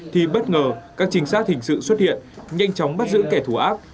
thì bất ngờ các chính xác hình sự xuất hiện nhanh chóng bắt giữ kẻ thù ác